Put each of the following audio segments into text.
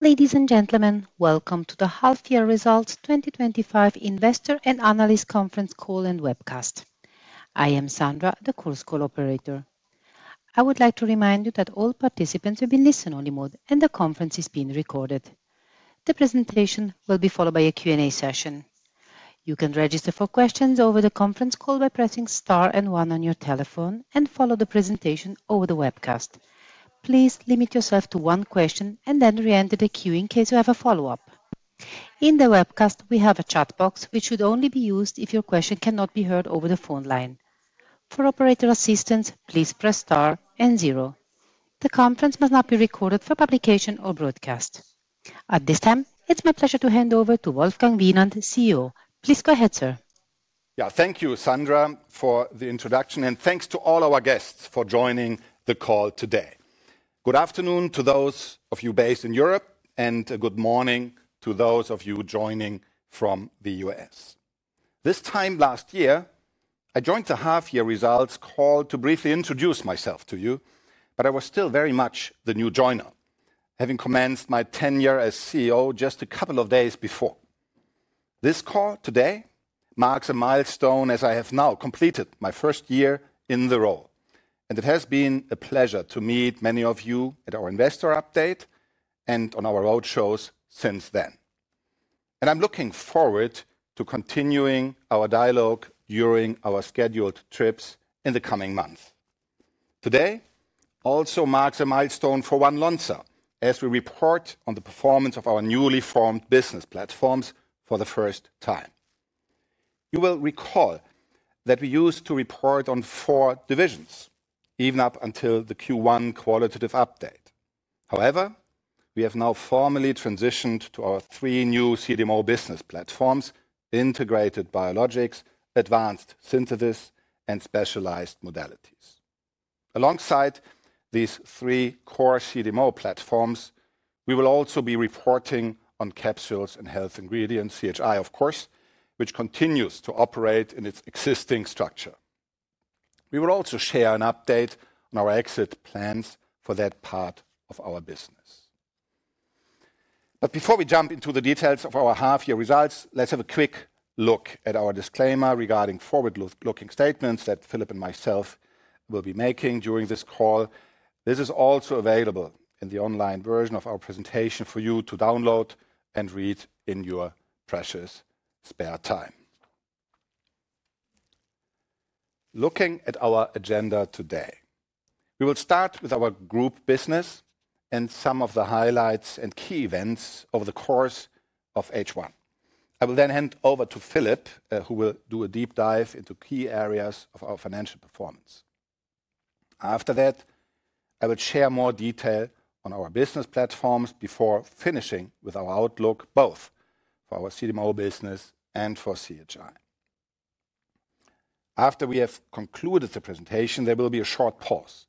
Ladies and gentlemen, welcome to the Healthier Results 2025 Investor and Analyst Conference Call and Webcast. I am Sandra, the course call operator. I would like to remind you that all participants will be in listen-only mode, and the conference is being recorded. The presentation will be followed by a Q&A session. You can register for questions over the conference call by pressing star and one on your telephone and follow the presentation over the webcast. Please limit yourself to one question and then re-enter the queue in case you have a follow-up. In the webcast, we have a chat box which should only be used if your question cannot be heard over the phone line. For operator assistance, please press star and zero. The conference must not be recorded for publication or broadcast. At this time, it's my pleasure to hand over to Wolfgang Wienand, CEO. Please go ahead, sir. Yeah, thank you, Sandra, for the introduction, and thanks to all our guests for joining the call today. Good afternoon to those of you based in Europe, and good morning to those of you joining from the U.S. This time last year, I joined the Healthier Results call to briefly introduce myself to you, but I was still very much the new joiner, having commenced my tenure as CEO just a couple of days before. This call today marks a milestone as I have now completed my first year in the role, and it has been a pleasure to meet many of you at our investor update and on our roadshows since then. I am looking forward to continuing our dialogue during our scheduled trips in the coming months. Today also marks a milestone for One Lonza as we report on the performance of our newly formed business platforms for the first time. You will recall that we used to report on four divisions, even up until the Q1 qualitative update. However, we have now formally transitioned to our three new CDMO business platforms, Integrated Biologics, Advanced Synthesis, and Specialized Modalities. Alongside these three core CDMO platforms, we will also be reporting on Capsules and Health Ingredients, CHI, of course, which continues to operate in its existing structure. We will also share an update on our exit plans for that part of our business. Before we jump into the details of our Healthier Results, let's have a quick look at our disclaimer regarding forward-looking statements that Philippe and myself will be making during this call. This is also available in the online version of our presentation for you to download and read in your precious spare time. Looking at our agenda today, we will start with our group business and some of the highlights and key events over the course of H1. I will then hand over to Philippe, who will do a deep dive into key areas of our financial performance. After that, I will share more detail on our business platforms before finishing with our outlook, both for our CDMO business and for CHI. After we have concluded the presentation, there will be a short pause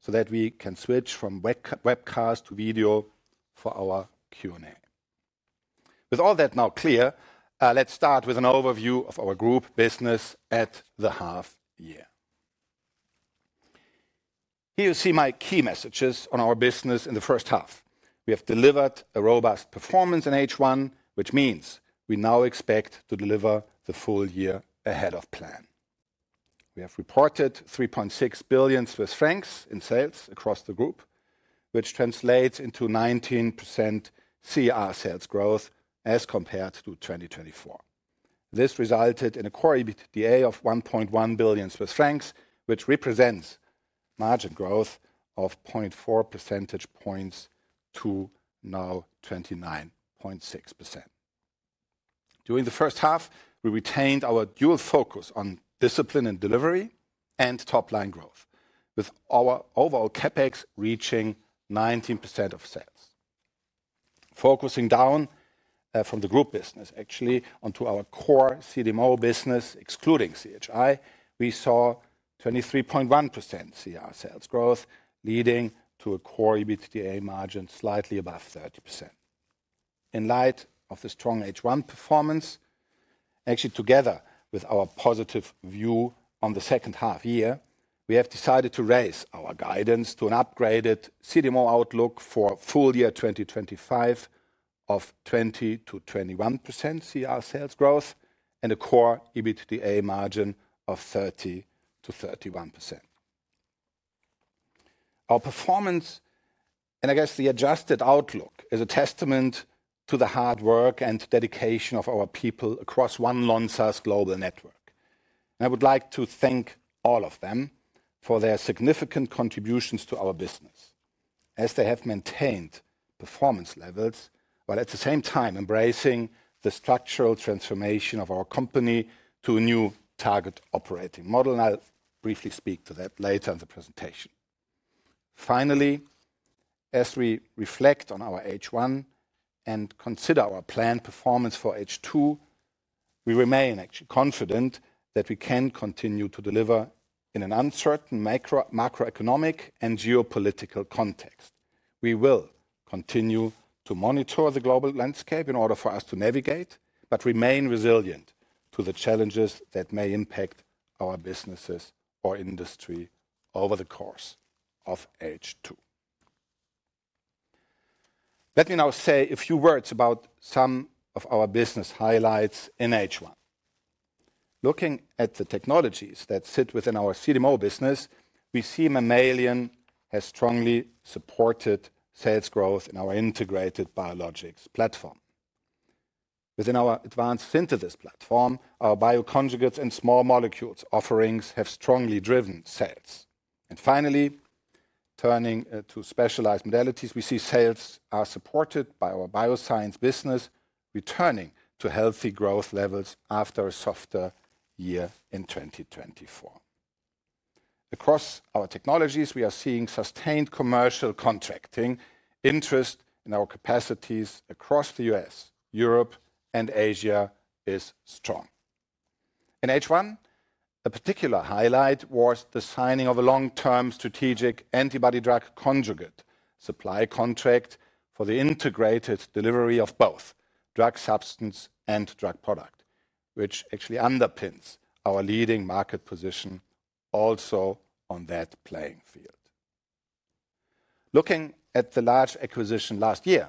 so that we can switch from webcast to video for our Q&A. With all that now clear, let's start with an overview of our group business at the half-year. Here you see my key messages on our business in the first half. We have delivered a robust performance in H1, which means we now expect to deliver the full-year ahead-of-plan. We have reported 3.6 billion Swiss francs in sales across the group, which translates into 19% CER sales growth as compared to 2024. This resulted in a core EBITDA of 1.1 billion Swiss francs, which represents margin growth of 0.4 percentage points to now 29.6%. During the first half, we retained our dual focus on discipline and delivery and top-line growth, with our overall CapEx reaching 19% of sales. Focusing down. From the group business, actually, onto our core CDMO business, excluding CHI, we saw 23.1% CER sales growth, leading to a core EBITDA margin slightly above 30%. In light of the strong H1 performance, actually, together with our positive view on the second half year, we have decided to raise our guidance to an upgraded CDMO outlook for full-year 2025 of 20%-21% CER sales growth and a core EBITDA margin of 30%-31%. Our performance. I guess the adjusted outlook is a testament to the hard work and dedication of our people across One Lonza's global network. I would like to thank all of them for their significant contributions to our business, as they have maintained performance levels while at the same time embracing the structural transformation of our company to a new target operating model. I'll briefly speak to that later in the presentation. Finally, as we reflect on our H1 and consider our planned performance for H2, we remain actually confident that we can continue to deliver in an uncertain macroeconomic and geopolitical context. We will continue to monitor the global landscape in order for us to navigate, but remain resilient to the challenges that may impact our businesses or industry over the course of H2. Let me now say a few words about some of our business highlights in H1. Looking at the technologies that sit within our CDMO business, we see Mammalian has strongly supported sales growth in our Integrated Biologics platform. Within our Advanced Synthesis platform, our bioconjugates and small molecules offerings have strongly driven sales. Finally, turning to Specialized Modalities, we see sales are supported by our bioscience business, returning to healthy growth levels after a softer year in 2024. Across our technologies, we are seeing sustained commercial contracting. Interest in our capacities across the U.S., Europe, and Asia is strong. In H1, a particular highlight was the signing of a long-term strategic antibody drug conjugate supply contract for the integrated delivery of both drug substance and drug product, which actually underpins our leading market position. Also on that playing field, looking at the large acquisition last year,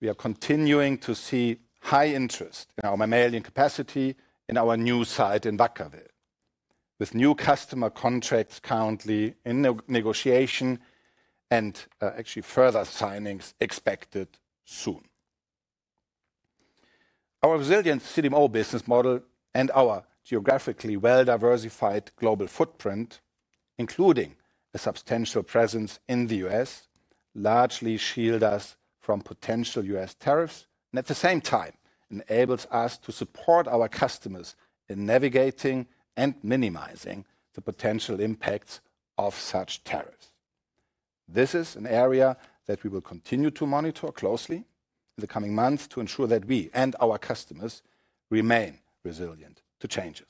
we are continuing to see high interest in our Mammalian capacity in our new site in Vacaville, with new customer contracts currently in negotiation and actually further signings expected soon. Our resilient CDMO business model and our geographically well-diversified global footprint, including a substantial presence in the U.S., largely shield us from potential U.S. tariffs and at the same time enables us to support our customers in navigating and minimizing the potential impacts of such tariffs. This is an area that we will continue to monitor closely in the coming months to ensure that we and our customers remain resilient to changes.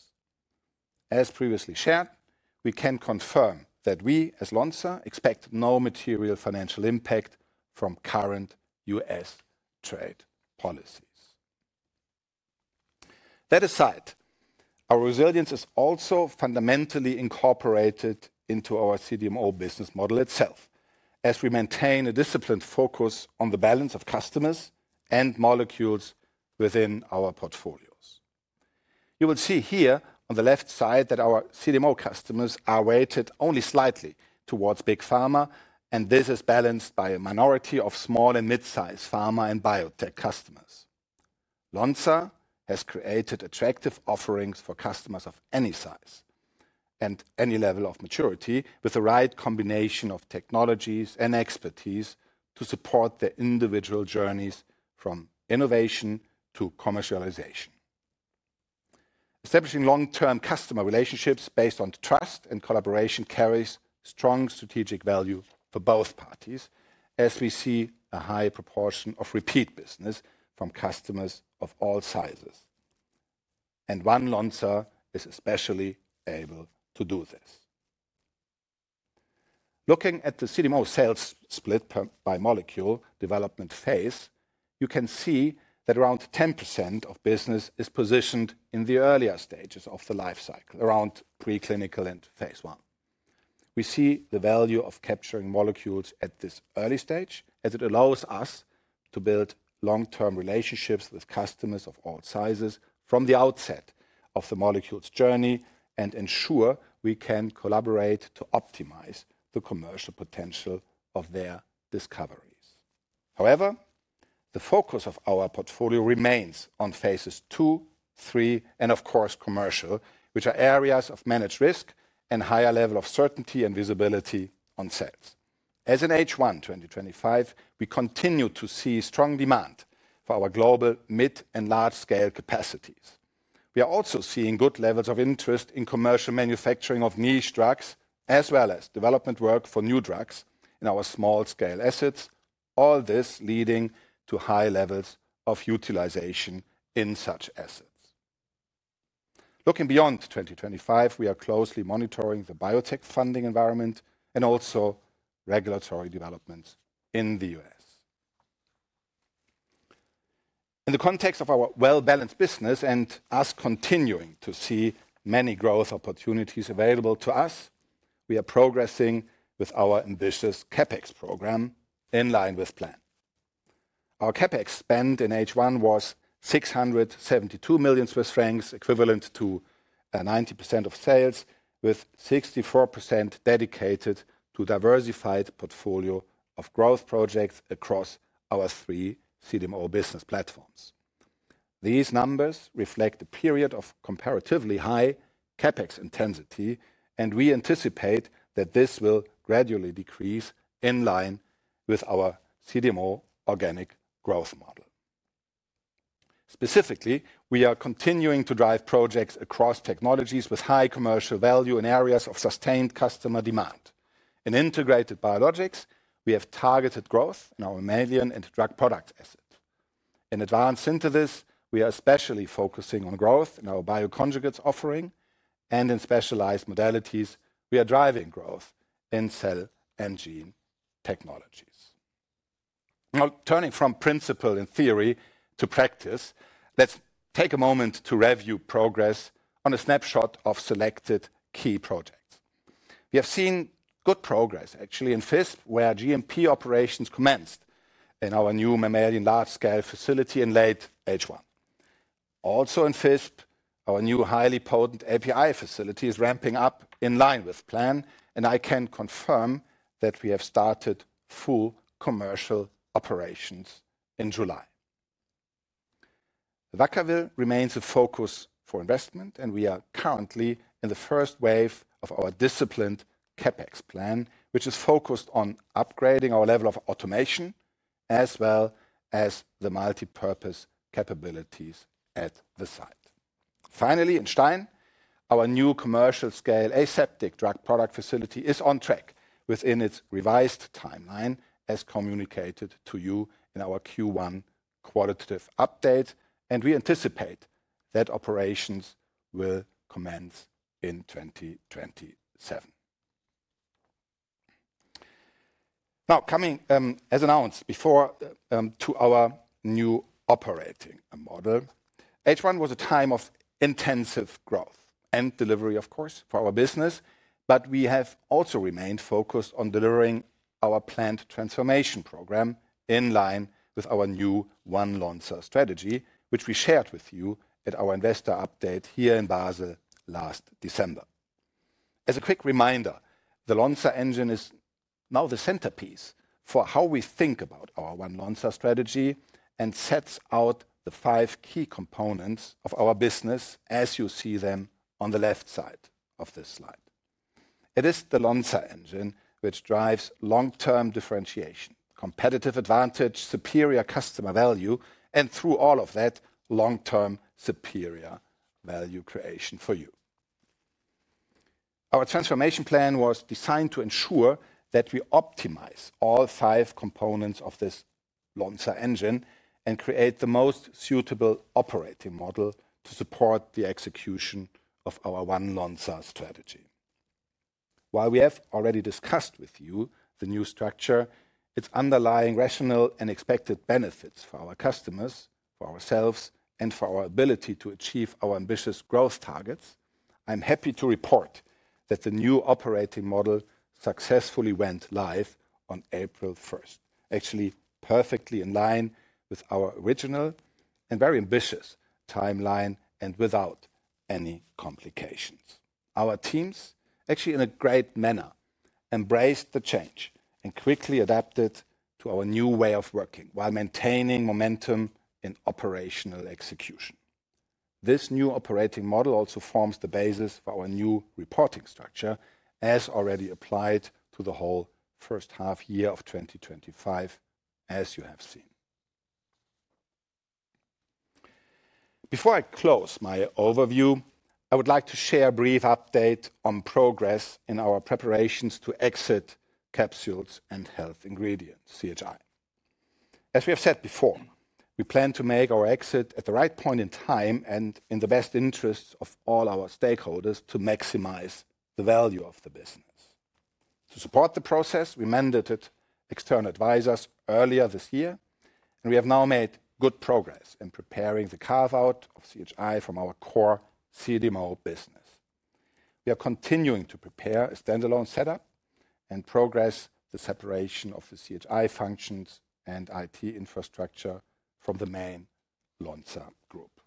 As previously shared, we can confirm that we as Lonza expect no material financial impact from current U.S. trade policies. That aside, our resilience is also fundamentally incorporated into our CDMO business model itself as we maintain a disciplined focus on the balance of customers and molecules within our portfolios. You will see here on the left side that our CDMO customers are weighted only slightly towards big pharma, and this is balanced by a minority of small and mid-size pharma and biotech customers. Lonza has created attractive offerings for customers of any size and any level of maturity with the right combination of technologies and expertise to support their individual journeys from innovation to commercialization. Establishing long-term customer relationships based on trust and collaboration carries strong strategic value for both parties as we see a high proportion of repeat business from customers of all sizes. One Lonza is especially able to do this. Looking at the CDMO sales split by molecule development phase, you can see that around 10% of business is positioned in the earlier stages of the life cycle, around preclinical and phase one. We see the value of capturing molecules at this early stage as it allows us to build long-term relationships with customers of all sizes from the outset of the molecule's journey and ensure we can collaborate to optimize the commercial potential of their discoveries. However, the focus of our portfolio remains on phases two, three, and of course commercial, which are areas of managed risk and higher level of certainty and visibility on sales. As in H1 2025, we continue to see strong demand for our global mid and large-scale capacities. We are also seeing good levels of interest in commercial manufacturing of niche drugs as well as development work for new drugs in our small-scale assets, all this leading to high levels of utilization in such assets. Looking beyond 2025, we are closely monitoring the biotech funding environment and also regulatory developments in the U.S. In the context of our well-balanced business and us continuing to see many growth opportunities available to us, we are progressing with our ambitious CapEx program in line with plan. Our CapEx spend in H1 was 672 million Swiss francs, equivalent to 9.0% of sales, with 64% dedicated to a diversified portfolio of growth projects across our three CDMO business platforms. These numbers reflect a period of comparatively high CapEx intensity, and we anticipate that this will gradually decrease in line with our CDMO organic growth model. Specifically, we are continuing to drive projects across technologies with high commercial value in areas of sustained customer demand. In Integrated Biologics, we have targeted growth in our mammalian and drug product assets. In Advanced Synthesis, we are especially focusing on growth in our bioconjugates offering, and in Specialized Modalities, we are driving growth in cell and gene technologies. Now, turning from principle in theory to practice, let's take a moment to review progress on a snapshot of selected key projects. We have seen good progress actually in Visp, where GMP operations commenced in our new mammalian large-scale facility in late H1. Also in Visp, our new highly potent API facility is ramping up in line with plan, and I can confirm that we have started full commercial operations in July. Vacaville remains a focus for investment, and we are currently in the first wave of our disciplined CapEx plan, which is focused on upgrading our level of automation as well as the multipurpose capabilities at the site. Finally, in Stein, our new commercial-scale aseptic drug product facility is on track within its revised timeline as communicated to you in our Q1 qualitative update, and we anticipate that operations will commence in 2027. Now, coming as announced before, to our new operating model, H1 was a time of intensive growth and delivery, of course, for our business, but we have also remained focused on delivering our planned transformation program in line with our new One Lonza strategy, which we shared with you at our investor update here in Basel last December. As a quick reminder, the Lonza engine is now the centerpiece for how we think about our One Lonza strategy and sets out the five key components of our business as you see them on the left side of this slide. It is the Lonza engine which drives long-term differentiation, competitive advantage, superior customer value, and through all of that, long-term superior value creation for you. Our transformation plan was designed to ensure that we optimize all five components of this Lonza engine and create the most suitable operating model to support the execution of our One Lonza strategy. While we have already discussed with you the new structure, its underlying rationale and expected benefits for our customers, for ourselves, and for our ability to achieve our ambitious growth targets, I'm happy to report that the new operating model successfully went live on April 1st, actually perfectly in line with our original and very ambitious timeline and without any complications. Our teams, actually in a great manner, embraced the change and quickly adapted to our new way of working while maintaining momentum in operational execution. This new operating model also forms the basis for our new reporting structure as already applied to the whole first half year of 2025, as you have seen. Before I close my overview, I would like to share a brief update on progress in our preparations to exit Capsules and Health Ingredients, CHI. As we have said before, we plan to make our exit at the right point in time and in the best interests of all our stakeholders to maximize the value of the business. To support the process, we mandated external advisors earlier this year, and we have now made good progress in preparing the carve-out of CHI from our core CDMO business. We are continuing to prepare a standalone setup and progress the separation of the CHI functions and IT infrastructure from the main Lonza Group.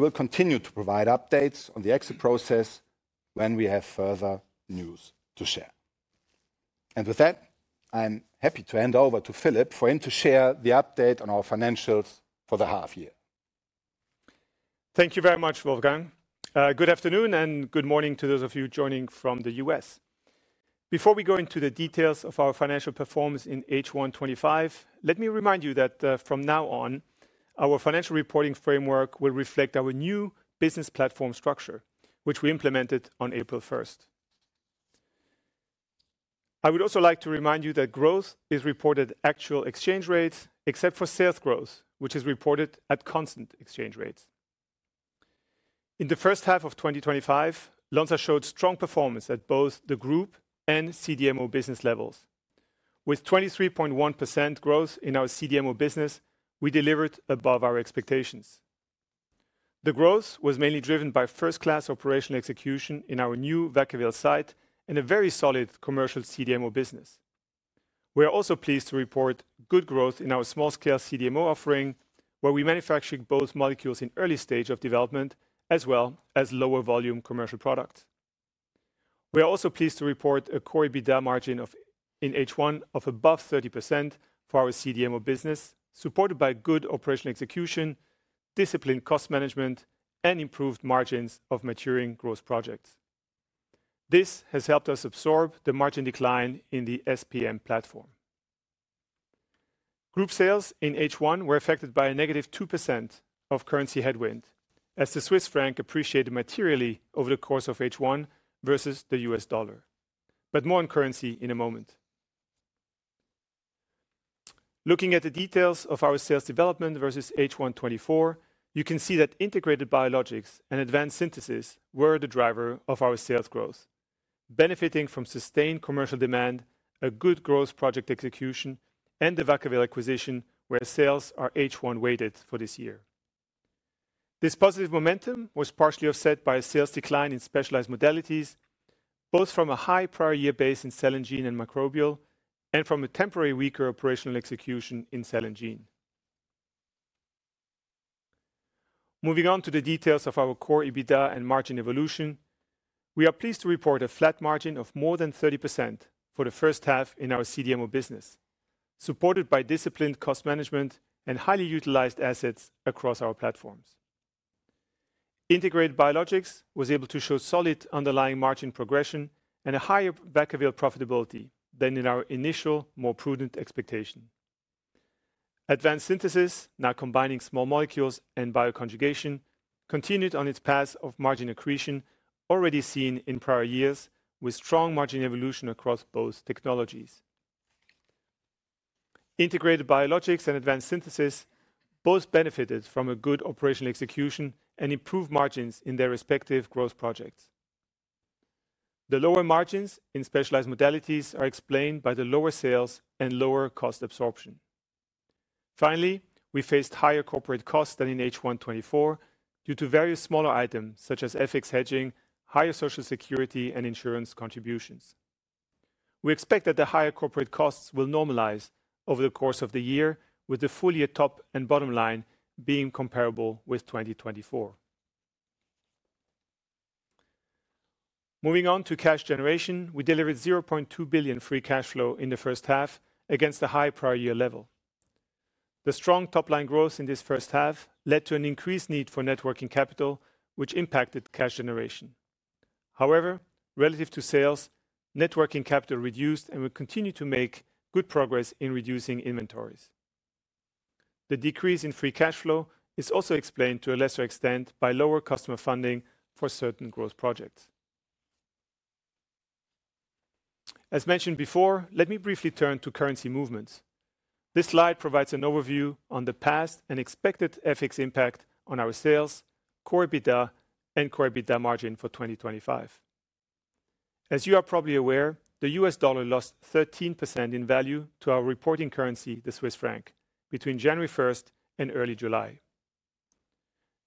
We will continue to provide updates on the exit process when we have further news to share. With that, I'm happy to hand over to Philippe for him to share the update on our financials for the half year. Thank you very much, Wolfgang. Good afternoon and good morning to those of you joining from the U.S. Before we go into the details of our financial performance in H1 2025, let me remind you that from now on, our financial reporting framework will reflect our new business platform structure, which we implemented on April 1st. I would also like to remind you that growth is reported at actual exchange rates, except for sales growth, which is reported at constant exchange rates. In the first half of 2025, Lonza showed strong performance at both the group and CDMO business levels. With 23.1% growth in our CDMO business, we delivered above our expectations. The growth was mainly driven by first-class operational execution in our new Vacaville site and a very solid commercial CDMO business. We are also pleased to report good growth in our small-scale CDMO offering, where we manufacture both molecules in early stage of development as well as lower-volume commercial products. We are also pleased to report a core EBITDA margin in H1 of above 30% for our CDMO business, supported by good operational execution, disciplined cost management, and improved margins of maturing growth projects. This has helped us absorb the margin decline in the SPM platform. Group sales in H1 were affected by a -2% of currency headwind as the Swiss franc appreciated materially over the course of H1 versus the U.S. dollar. More on currency in a moment. Looking at the details of our sales development versus H1 2024, you can see that Integrated Biologics and Advanced Synthesis were the driver of our sales growth, benefiting from sustained commercial demand, good growth project execution, and the Vacaville acquisition where sales are H1 weighted for this year. This positive momentum was partially offset by a sales decline in Specialized Modalities, both from a high prior year base in cell and gene and microbial, and from a temporary weaker operational execution in cell and gene. Moving on to the details of our core EBITDA and margin evolution, we are pleased to report a flat margin of more than 30% for the first half in our CDMO business, supported by disciplined cost management and highly utilized assets across our platforms. Integrated Biologics was able to show solid underlying margin progression and a higher Vacaville profitability than in our initial, more prudent expectation. Advanced Synthesis, now combining small molecules and bioconjugation, continued on its path of margin accretion already seen in prior years with strong margin evolution across both technologies. Integrated Biologics and Advanced Synthesis both benefited from a good operational execution and improved margins in their respective growth projects. The lower margins in Specialized Modalities are explained by the lower sales and lower cost absorption. Finally, we faced higher corporate costs than in H1 2024 due to various smaller items such as FX hedging, higher social security, and insurance contributions. We expect that the higher corporate costs will normalize over the course of the year, with the full year top and bottom line being comparable with 2024. Moving on to cash generation, we delivered 0.2 billion free cash flow in the first half against a high prior year level. The strong top-line growth in this first half led to an increased need for net working capital, which impacted cash generation. However, relative to sales, net working capital reduced and we continue to make good progress in reducing inventories. The decrease in free cash flow is also explained to a lesser extent by lower customer funding for certain growth projects. As mentioned before, let me briefly turn to currency movements. This slide provides an overview on the past and expected FX impact on our sales, Core EBITDA, and Core EBITDA margin for 2025. As you are probably aware, the U.S. dollar lost 13% in value to our reporting currency, the Swiss franc, between January 1st and early July.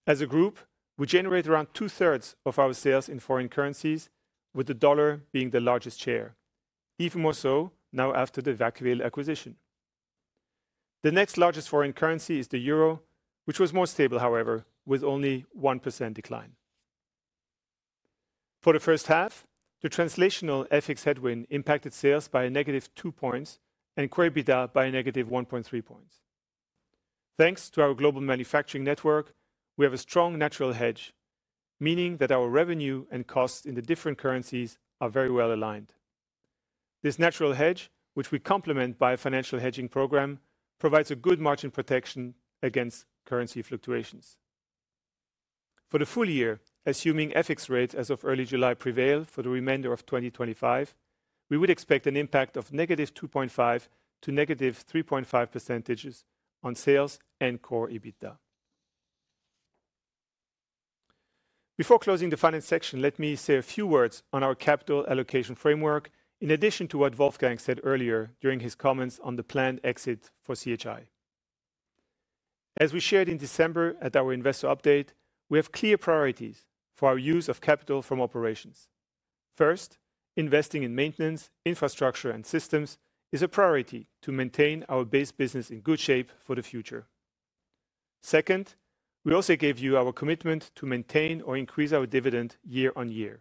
As a group, we generate around two-thirds of our sales in foreign currencies, with the dollar being the largest share, even more so now after the Vacaville acquisition. The next largest foreign currency is the euro, which was more stable, however, with only 1% decline. For the first half, the translational FX headwind impacted sales by a -2% and Core EBITDA by a -1.3%. Thanks to our global manufacturing network, we have a strong natural hedge, meaning that our revenue and costs in the different currencies are very well aligned. This natural hedge, which we complement by a financial hedging program, provides a good margin protection against currency fluctuations. For the full year, assuming FX rates as of early July prevail for the remainder of 2025, we would expect an impact of -2.5% to -3.5% on sales and Core EBITDA. Before closing the finance section, let me say a few words on our capital allocation framework in addition to what Wolfgang said earlier during his comments on the planned exit for Capsules and Health Ingredients. As we shared in December at our investor update, we have clear priorities for our use of capital from operations. First, investing in maintenance, infrastructure, and systems is a priority to maintain our base business in good shape for the future. Second, we also gave you our commitment to maintain or increase our dividend year-on-year.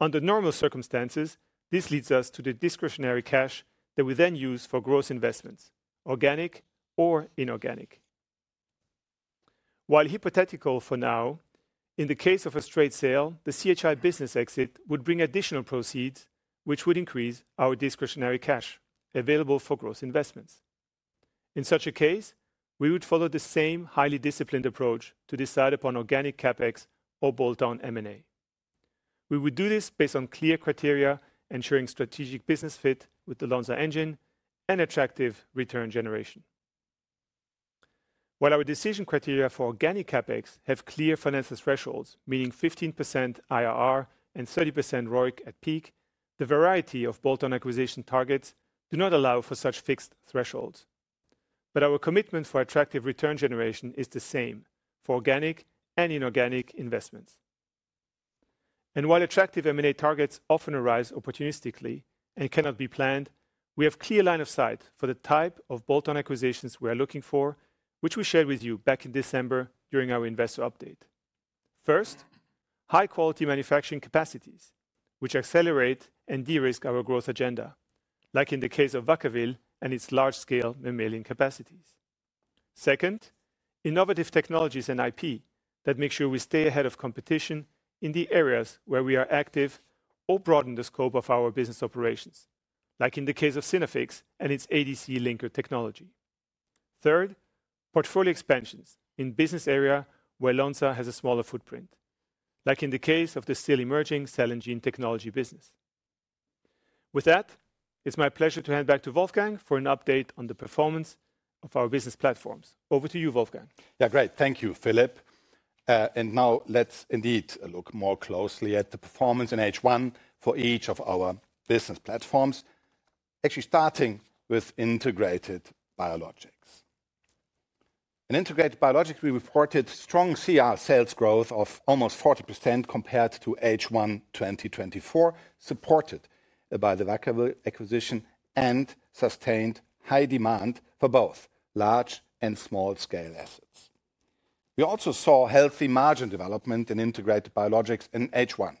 Under normal circumstances, this leads us to the discretionary cash that we then use for growth investments, organic or inorganic. While hypothetical for now, in the case of a straight sale, the CHI business exit would bring additional proceeds, which would increase our discretionary cash available for growth investments. In such a case, we would follow the same highly disciplined approach to decide upon organic CapEx or bolt-on M&A. We would do this based on clear criteria, ensuring strategic business fit with the Lonza engine and attractive return generation. While our decision criteria for organic CapEx have clear financial thresholds, meaning 15% IRR and 30% ROIC at peak, the variety of bolt-on acquisition targets do not allow for such fixed thresholds. Our commitment for attractive return generation is the same for organic and inorganic investments. While attractive M&A targets often arise opportunistically and cannot be planned, we have a clear line of sight for the type of bolt-on acquisitions we are looking for, which we shared with you back in December during our investor update. First, high-quality manufacturing capacities, which accelerate and de-risk our growth agenda, like in the case of Vacaville and its large-scale mammalian capacities. Second, innovative technologies and IP that make sure we stay ahead of competition in the areas where we are active or broaden the scope of our business operations, like in the case of Synaffix and its ADC linker technology. Third, portfolio expansions in business areas where Lonza has a smaller footprint, like in the case of the still emerging cell and gene technology business. With that, it's my pleasure to hand back to Wolfgang for an update on the performance of our business platforms. Over to you, Wolfgang. Yeah, great. Thank you, Philippe. Now let's indeed look more closely at the performance in H1 for each of our business platforms, actually starting with integrated biologics. In integrated biologics, we reported strong CER sales growth of almost 40% compared to H1 2024, supported by the Vacaville acquisition and sustained high demand for both large and small-scale assets. We also saw healthy margin development in integrated biologics in H1.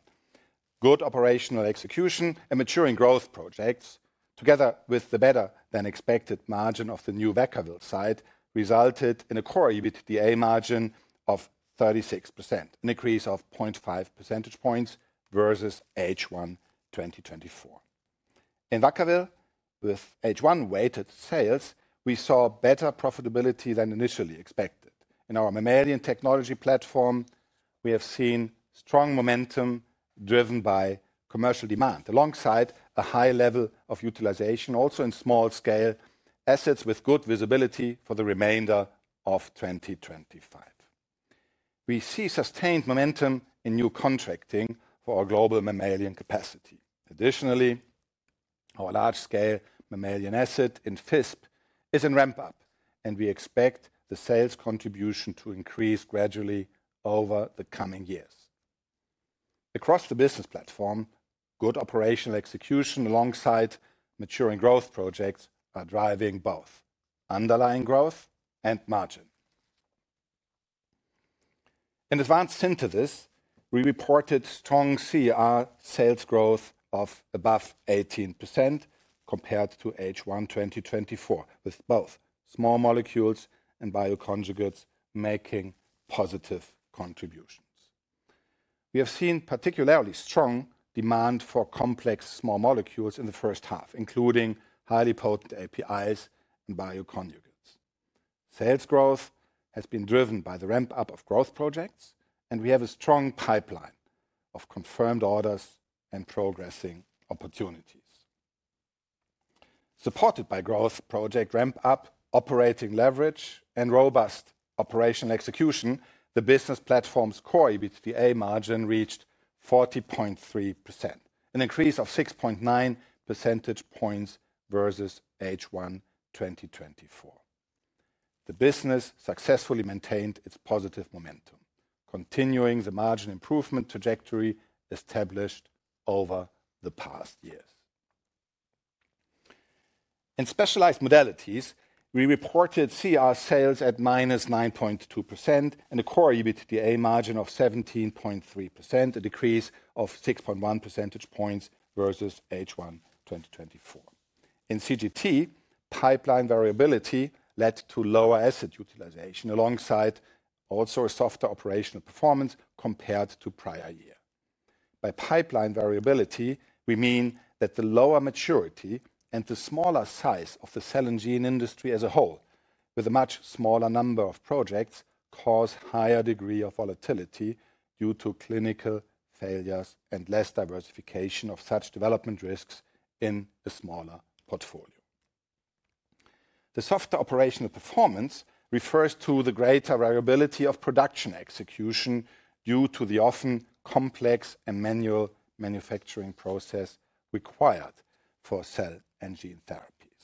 Good operational execution and maturing growth projects, together with the better-than-expected margin of the new Vacaville site, resulted in a core EBITDA margin of 36%, an increase of 0.5 percentage points versus H1 2024. In Vacaville, with H1 weighted sales, we saw better profitability than initially expected. In our mammalian technology platform, we have seen strong momentum driven by commercial demand alongside a high level of utilization, also in small-scale assets with good visibility for the remainder of 2025. We see sustained momentum in new contracting for our global mammalian capacity. Additionally, our large-scale mammalian asset in Visp is in ramp-up, and we expect the sales contribution to increase gradually over the coming years. Across the business platform, good operational execution alongside maturing growth projects are driving both underlying growth and margin. In advanced synthesis, we reported strong CER sales growth of above 18% compared to H1 2024, with both small molecules and bioconjugates making positive contributions. We have seen particularly strong demand for complex small molecules in the first half, including highly potent APIs and bioconjugates. Sales growth has been driven by the ramp-up of growth projects, and we have a strong pipeline of confirmed orders and progressing opportunities. Supported by growth project ramp-up, operating leverage, and robust operational execution, the business platform's core EBITDA margin reached 40.3%, an increase of 6.9 percentage points versus H1 2024. The business successfully maintained its positive momentum, continuing the margin improvement trajectory established over the past years. In Specialized Modalities, we reported CER sales at minus 9.2% and a core EBITDA margin of 17.3%, a decrease of 6.1 percentage points versus H1 2024. In CGT, pipeline variability led to lower asset utilization alongside also a softer operational performance compared to prior year. By pipeline variability, we mean that the lower maturity and the smaller size of the cell and gene industry as a whole, with a much smaller number of projects, cause a higher degree of volatility due to clinical failures and less diversification of such development risks in a smaller portfolio. The softer operational performance refers to the greater variability of production execution due to the often complex and manual manufacturing process required for cell and gene therapies.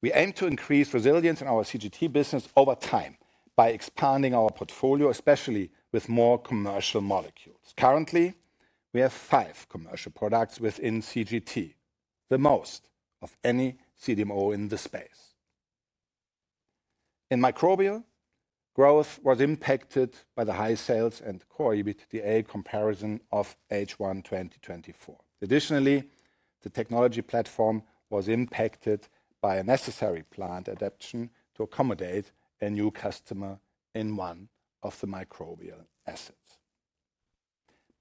We aim to increase resilience in our CGT business over time by expanding our portfolio, especially with more commercial molecules. Currently, we have five commercial products within CGT, the most of any CDMO in the space. In Microbial, growth was impacted by the high sales and core EBITDA comparison of H1 2024. Additionally, the technology platform was impacted by a necessary plant adaptation to accommodate a new customer in one of the microbial assets.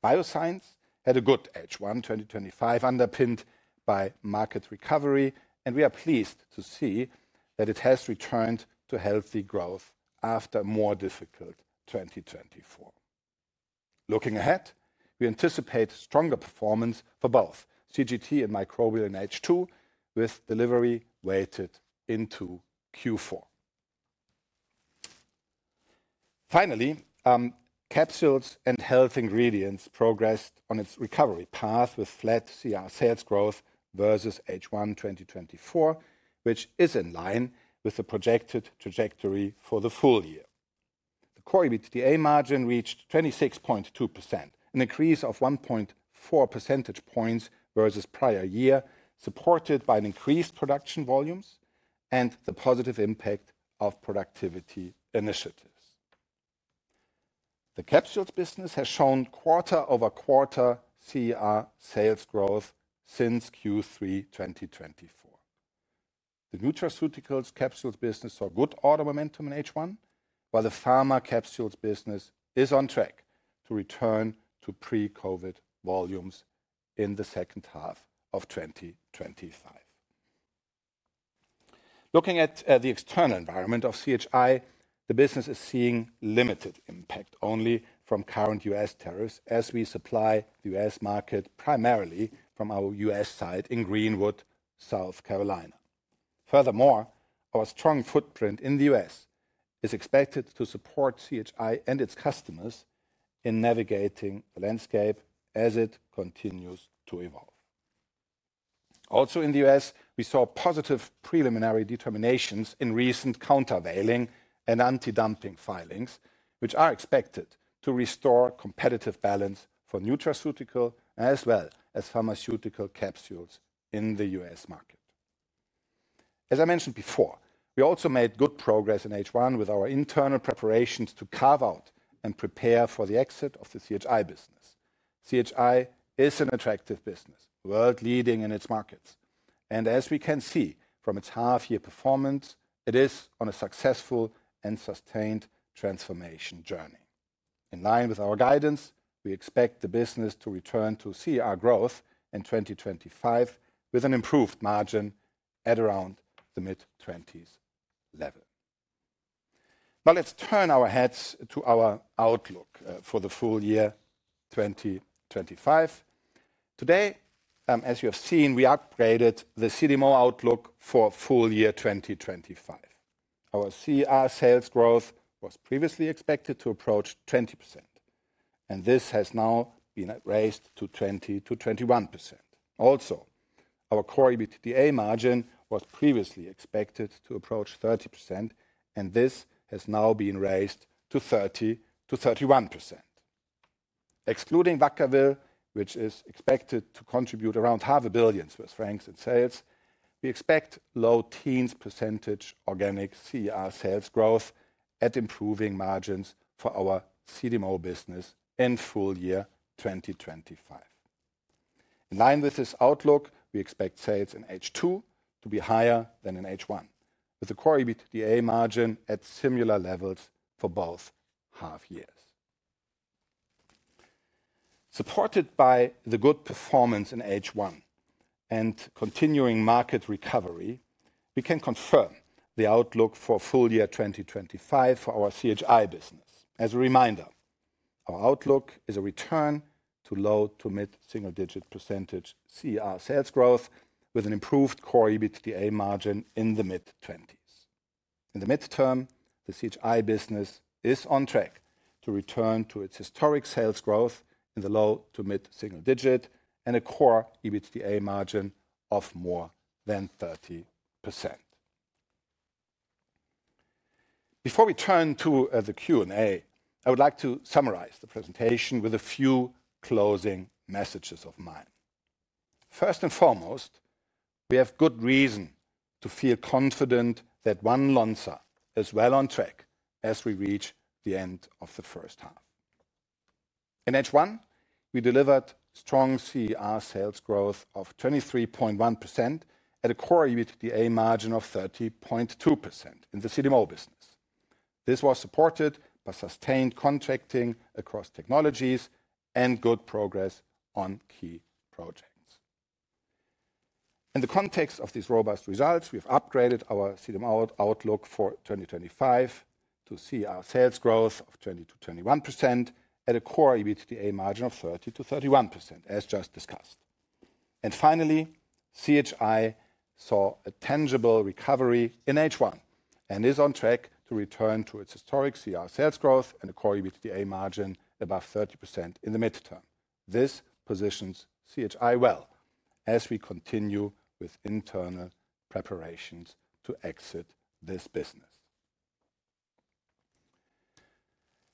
Bioscience had a good H1 2025, underpinned by market recovery, and we are pleased to see that it has returned to healthy growth after a more difficult 2024. Looking ahead, we anticipate stronger performance for both CGT and Microbial in H2, with delivery weighted into Q4. Finally, Capsules and Health Ingredients progressed on its recovery path with flat CER sales growth versus H1 2024, which is in line with the projected trajectory for the full year. The core EBITDA margin reached 26.2%, an increase of 1.4 percentage points versus prior year, supported by increased production volumes and the positive impact of productivity initiatives. The capsules business has shown quarter-over-quarter CER sales growth since Q3 2024. The nutraceuticals capsules business saw good order momentum in H1, while the pharma capsules business is on track to return to pre-Covid volumes in the second half of 2025. Looking at the external environment of CHI, the business is seeing limited impact only from current U.S. tariffs as we supply the U.S. market primarily from our U.S. site in Greenwood, South Carolina. Furthermore, our strong footprint in the U.S. is expected to support CHI and its customers in navigating the landscape as it continues to evolve. Also in the U.S., we saw positive preliminary determinations in recent countervailing and anti-dumping filings, which are expected to restore competitive balance for nutraceutical as well as pharmaceutical capsules in the U.S. market. As I mentioned before, we also made good progress in H1 with our internal preparations to carve out and prepare for the exit of the CHI business. CHI is an attractive business, world-leading in its markets, and as we can see from its half-year performance, it is on a successful and sustained transformation journey. In line with our guidance, we expect the business to return to CR growth in 2025 with an improved margin at around the mid-20s level. Now let's turn our heads to our outlook for the full year 2025. Today, as you have seen, we upgraded the CDMO outlook for full year 2025. Our CR sales growth was previously expected to approach 20%. This has now been raised to 20%-21%. Also, our core EBITDA margin was previously expected to approach 30%, and this has now been raised to 30%-31%. Excluding Vacaville, which is expected to contribute around 0.5 billion Swiss francs in sales, we expect low teens percentage organic CR sales growth at improving margins for our CDMO business in full year 2025. In line with this outlook, we expect sales in H2 to be higher than in H1, with a core EBITDA margin at similar levels for both half years. Supported by the good performance in H1 and continuing market recovery, we can confirm the outlook for full year 2025 for our CHI business. As a reminder, our outlook is a return to low to mid-single-digit percentage CR sales growth with an improved core EBITDA margin in the mid-20s. In the midterm, the CHI business is on track to return to its historic sales growth in the low to mid-single digit and a core EBITDA margin of more than 30%. Before we turn to the Q&A, I would like to summarize the presentation with a few closing messages of mine. First and foremost, we have good reason to feel confident that One Lonza is well on track as we reach the end of the first half. In H1, we delivered strong CR sales growth of 23.1% at a core EBITDA margin of 30.2% in the CDMO business. This was supported by sustained contracting across technologies and good progress on key projects. In the context of these robust results, we have upgraded our CDMO outlook for 2025 to see our sales growth of 20%-21% at a core EBITDA margin of 30%-31%, as just discussed. Finally, CHI saw a tangible recovery in H1 and is on track to return to its historic CR sales growth and a core EBITDA margin above 30% in the midterm. This positions CHI well as we continue with internal preparations to exit this business.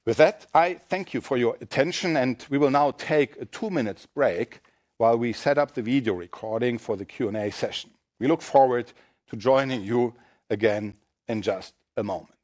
With that, I thank you for your attention, and we will now take a two-minute break while we set up the video recording for the Q&A session. We look forward to joining you again in just a moment.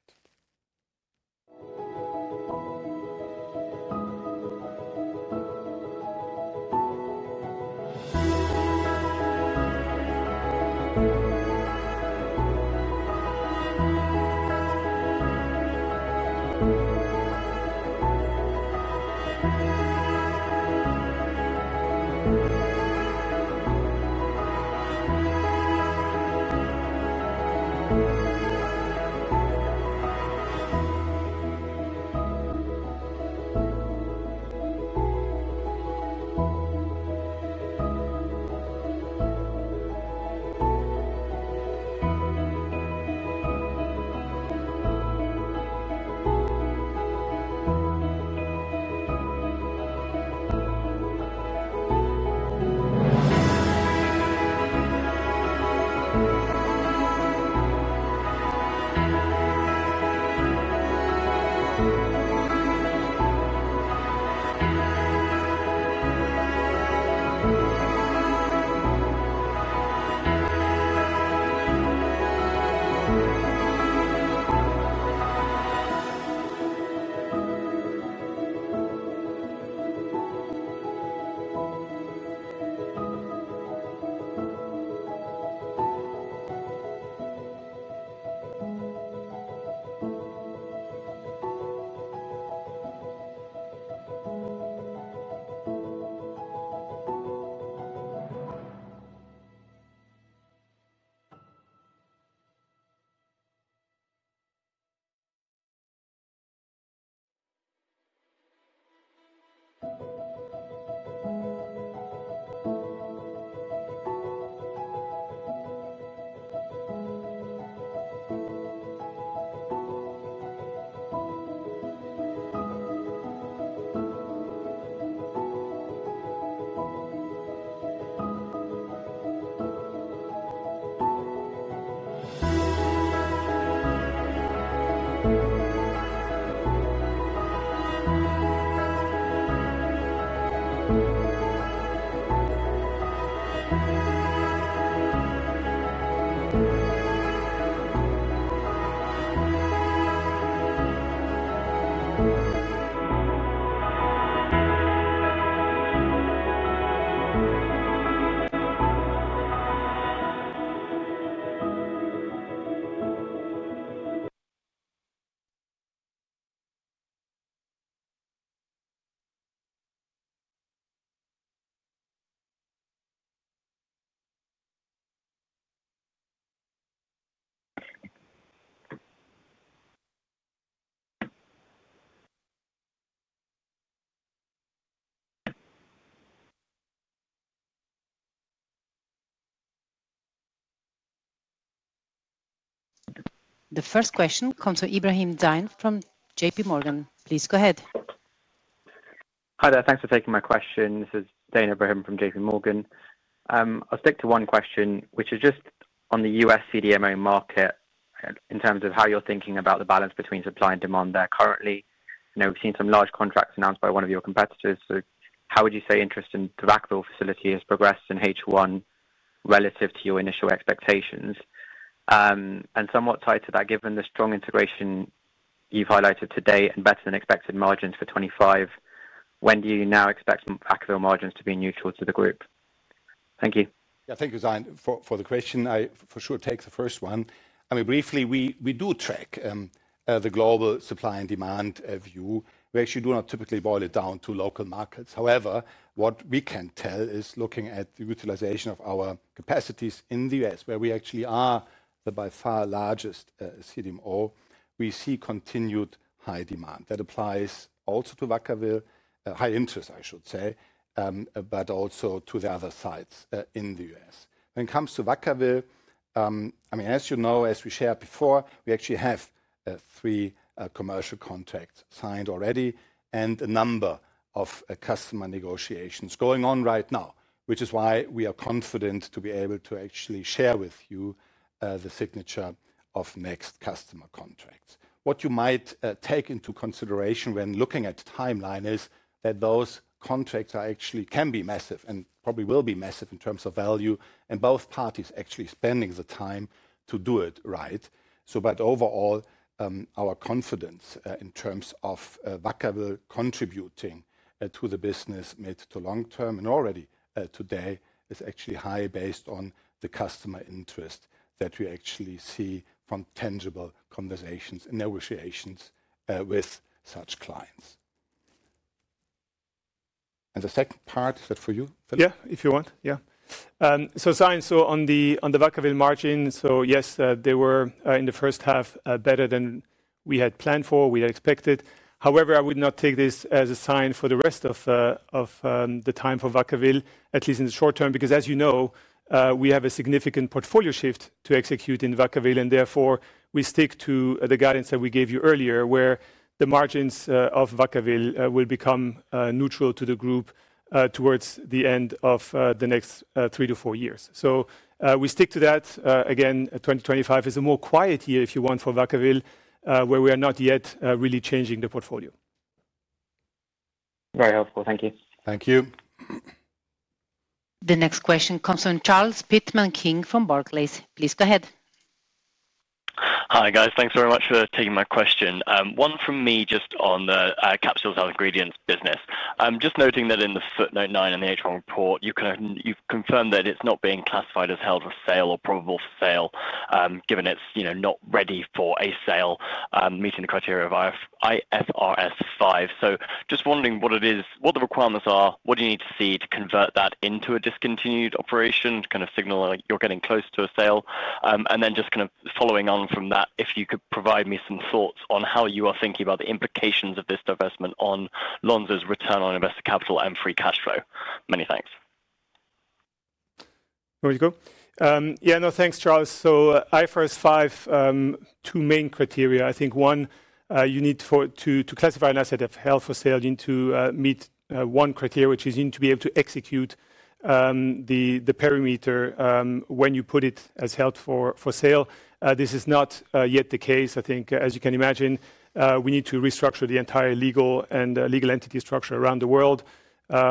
The first question comes from Ebrahim Zain from JP Morgan. Please go ahead. Hi there. Thanks for taking my question. This is Zain Ebrahim from JP Morgan. I'll stick to one question, which is just on the U.S. CDMO market in terms of how you're thinking about the balance between supply and demand there currently. We've seen some large contracts announced by one of your competitors. How would you say interest in the Vacaville facility has progressed in H1 relative to your initial expectations? And somewhat tied to that, given the strong integration you've highlighted today and better-than-expected margins for 2025, when do you now expect Vacaville margins to be neutral to the group? Thank you. Yeah, thank you, Zain, for the question. I for sure take the first one. I mean, briefly, we do track the global supply and demand view. We actually do not typically boil it down to local markets. However, what we can tell is looking at the utilization of our capacities in the U.S., where we actually are the by far largest CDMO, we see continued high demand. That applies also to Vacaville, high interest, I should say. Also to the other sites in the U.S. When it comes to Vacaville, as you know, as we shared before, we actually have three commercial contracts signed already and a number of customer negotiations going on right now, which is why we are confident to be able to actually share with you the signature of next customer contracts. What you might take into consideration when looking at the timeline is that those contracts actually can be massive and probably will be massive in terms of value, and both parties actually spending the time to do it right. Overall, our confidence in terms of Vacaville contributing to the business mid to long term and already today is actually high based on the customer interest that we actually see from tangible conversations and negotiations with such clients. The second part, is that for you, Philippe? Yeah, if you want. Yeah. Zain, on the Vacaville margin, yes, they were in the first half better than we had planned for, we had expected. However, I would not take this as a sign for the rest of the time for Vacaville, at least in the short term, because as you know, we have a significant portfolio shift to execute in Vacaville, and therefore we stick to the guidance that we gave you earlier where the margins of Vacaville will become neutral to the group towards the end of the next three to four years. We stick to that. Again, 2025 is a more quiet year, if you want, for Vacaville, where we are not yet really changing the portfolio. Very helpful. Thank you. Thank you. The next question comes from Charles Pitman-King from Barclays. Please go ahead. Hi guys, thanks very much for taking my question. One from me just on the Capsules and Health Ingredients business. I'm just noting that in the footnote nine in the H1 report, you've confirmed that it's not being classified as held for sale or probable sale, given it's not ready for a sale, meeting the criteria of IFRS 5. Just wondering what the requirements are, what do you need to see to convert that into a discontinued operation, kind of signaling you're getting close to a sale, and then just kind of following on from that, if you could provide me some thoughts on how you are thinking about the implications of this divestment on Lonza's return on invested capital and free cash flow. Many thanks. There you go. Yeah, no, thanks, Charles. So IFRS 5. Two main criteria. I think one, you need to classify an asset as held for sale, you need to meet one criteria, which is you need to be able to execute. The perimeter when you put it as held for sale. This is not yet the case. I think, as you can imagine, we need to restructure the entire legal and legal entity structure around the world.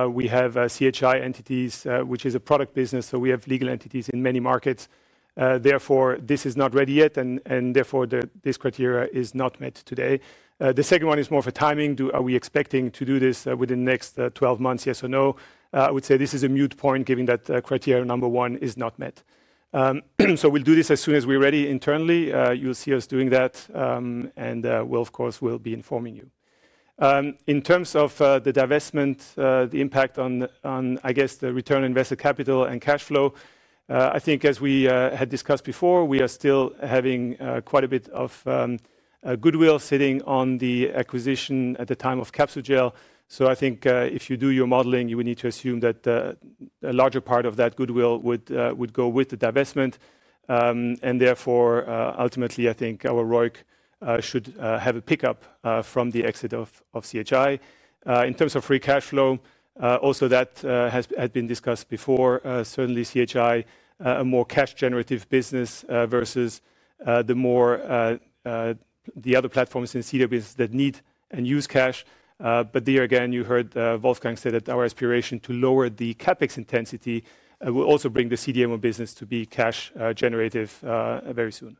We have CHI entities, which is a product business, so we have legal entities in many markets. Therefore, this is not ready yet, and therefore this criteria is not met today. The second one is more of a timing. Are we expecting to do this within the next 12 months, yes or no? I would say this is a mute point given that criteria number one is not met. We'll do this as soon as we're ready internally. You'll see us doing that. We'll, of course, be informing you. In terms of the divestment, the impact on, I guess, the return on invested capital and cash flow, I think as we had discussed before, we are still having quite a bit of goodwill sitting on the acquisition at the time of Capsule Gel. I think if you do your modeling, you would need to assume that a larger part of that goodwill would go with the divestment. Therefore, ultimately, I think our ROIC should have a pickup from the exit of CHI. In terms of free cash flow, also that has been discussed before. Certainly, CHI, a more cash-generative business versus the other platforms in CW business that need and use cash. There again, you heard Wolfgang say that our aspiration to lower the CapEx intensity will also bring the CDMO business to be cash-generative very soon.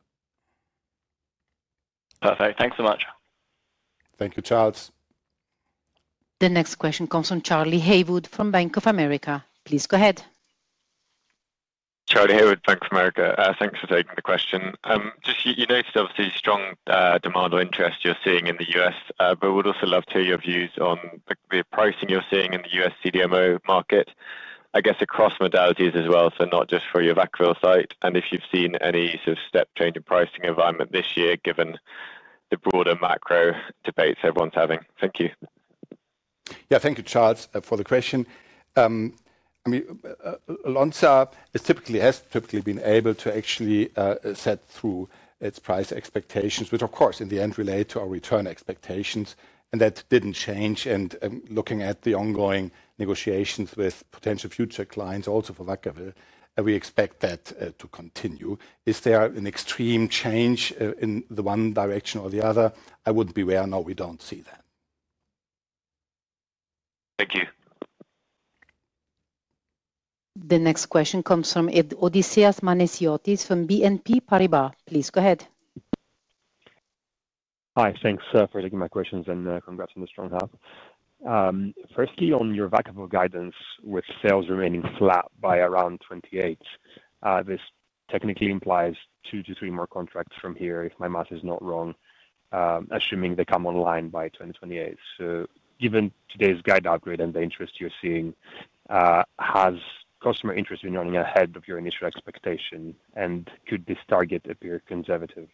Perfect. Thanks so much. Thank you, Charles. The next question comes from Charlie Haywood from Bank of America. Please go ahead. Thanks for taking the question. Just you noted obviously strong demand or interest you're seeing in the U.S., but we'd also love to hear your views on the pricing you're seeing in the U.S. CDMO market, I guess across modalities as well, so not just for your Vacaville site. If you've seen any sort of step change in pricing environment this year, given the broader macro debates everyone's having. Thank you. Yeah, thank you, Charles, for the question. I mean, Lonza has typically been able to actually set through its price expectations, which of course in the end relate to our return expectations, and that did not change. Looking at the ongoing negotiations with potential future clients also for Vacaville, we expect that to continue. Is there an extreme change in the one direction or the other? I would not be aware. No, we do not see that. Thank you. The next question comes from Odysseas Manesiotis from BNP Paribas. Please go ahead. Hi, thanks for taking my questions and congrats on the strong half. Firstly, on your Vacaville guidance with sales remaining flat by around 2028. This technically implies two to three more contracts from here, if my math is not wrong. Assuming they come online by 2028. Given today's guide outgrade and the interest you're seeing, has customer interest been running ahead of your initial expectation, and could this target appear conservative?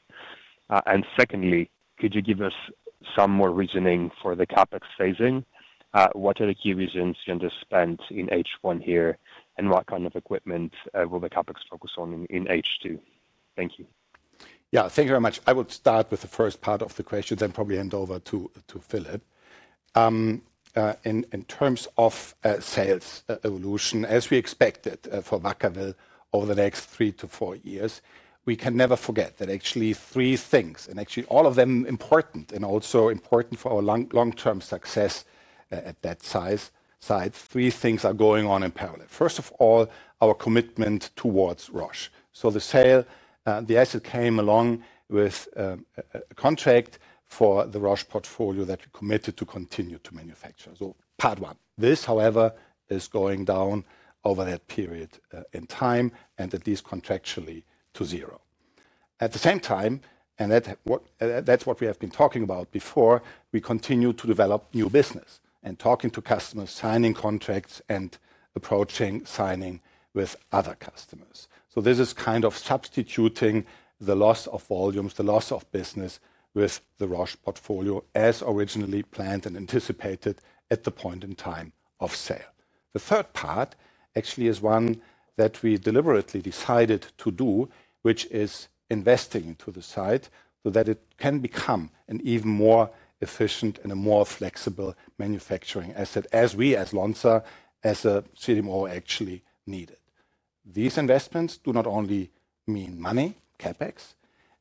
Secondly, could you give us some more reasoning for the CapEx phasing? What are the key reasons you understand in H1 here, and what kind of equipment will the CapEx focus on in H2? Thank you. Yeah, thank you very much. I would start with the first part of the question, then probably hand over to Philip. In terms of sales evolution, as we expected for Vacaville over the next three to four years, we can never forget that actually three things, and actually all of them important and also important for our long-term success at that site, three things are going on in parallel. First of all, our commitment towards Roche. The sale, the asset came along with a contract for the Roche portfolio that we committed to continue to manufacture. Part one. This, however, is going down over that period in time and at least contractually to zero. At the same time, and that is what we have been talking about before, we continue to develop new business and talking to customers, signing contracts and approaching signing with other customers. This is kind of substituting the loss of volumes, the loss of business with the Roche portfolio as originally planned and anticipated at the point in time of sale. The third part actually is one that we deliberately decided to do, which is investing into the site so that it can become an even more efficient and a more flexible manufacturing asset as we as Lonza, as a CDMO, actually need it. These investments do not only mean money, CapEx,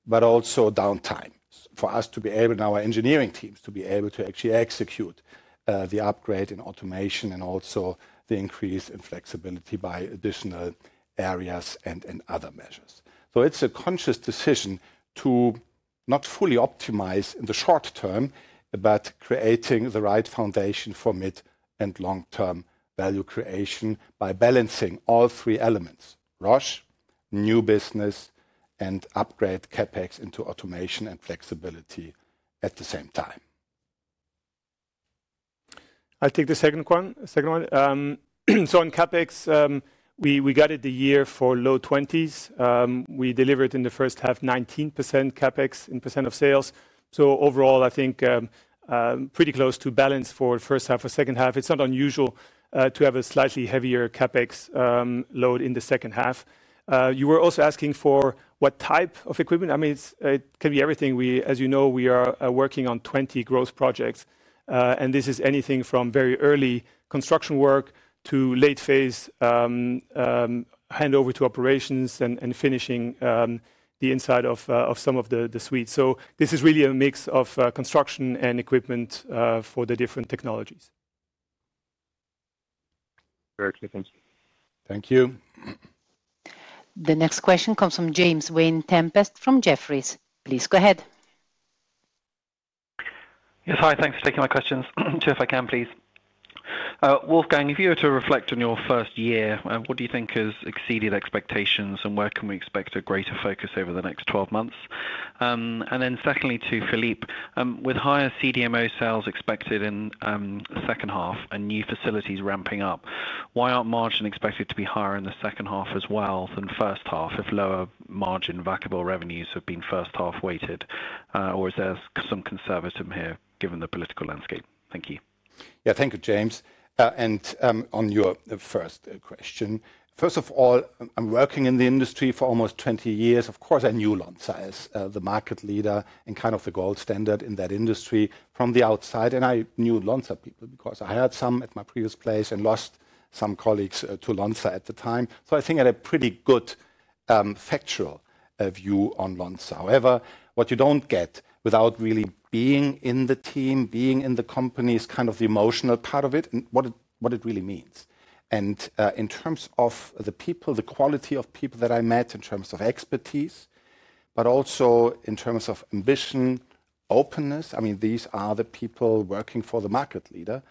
but also downtime for us to be able, our engineering teams to be able to actually execute the upgrade in automation and also the increase in flexibility by additional areas and other measures. It is a conscious decision to not fully optimize in the short term, but creating the right foundation for mid and long-term value creation by balancing all three elements: Roche, new business, and upgrade CapEx into automation and flexibility at the same time. I'll take the second one. In CapEx, we got it the year for low 20s. We delivered in the first half 19% CapEx in percent of sales. Overall, I think pretty close to balance for first half or second half. It is not unusual to have a slightly heavier CapEx load in the second half. You were also asking for what type of equipment. I mean, it can be everything. As you know, we are working on 20 growth projects, and this is anything from very early construction work to late phase handover to operations and finishing the inside of some of the suites. This is really a mix of construction and equipment for the different technologies. Very clear. Thank you. Thank you. The next question comes from James Vane-Tempest from Jefferies. Please go ahead. Yes, hi. Thanks for taking my questions. Two if I can, please. Wolfgang, if you were to reflect on your first year, what do you think has exceeded expectations and where can we expect a greater focus over the next 12 months? And then secondly to Philippe, with higher CDMO sales expected in the second half and new facilities ramping up, why are margins not expected to be higher in the second half as well than first half if lower margin Vacaville revenues have been first half weighted? Or is there some conservatism here given the political landscape? Thank you. Yeah, thank you, James. On your first question, first of all, I'm working in the industry for almost 20 years. Of course, I knew Lonza as the market leader and kind of the gold standard in that industry from the outside. I knew Lonza people because I had some at my previous place and lost some colleagues to Lonza at the time. I think I had a pretty good factual view on Lonza. However, what you do not get without really being in the team, being in the company is kind of the emotional part of it and what it really means. In terms of the people, the quality of people that I met in terms of expertise, but also in terms of ambition, openness, I mean, these are the people working for the market leader,